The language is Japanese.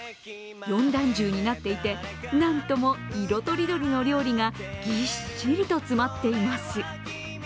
四段重になっていて、何とも色とりどりの料理がぎっしりと詰まっています。